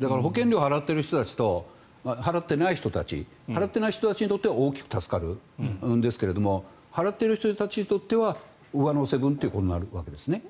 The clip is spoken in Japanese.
だから保険料を払っている人たちと払っていない人たち払ってない人たちにとっては大きく助かるんですが払っている人たちにとっては上乗せ分ということになるわけですね？